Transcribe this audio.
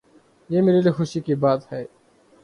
یہ میرے لیے خوشی کی بات ہے۔